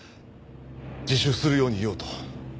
自首するように言おうと。